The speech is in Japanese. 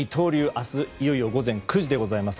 明日、いよいよ午前９時でございます。